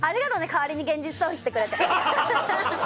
代わりに現実逃避してくれて。